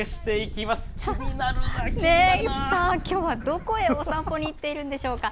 きょうはどこへお散歩にいっているんでしょうか。